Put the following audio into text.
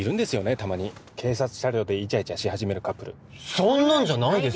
たまに警察車両でイチャイチャし始めるカップルそんなんじゃないです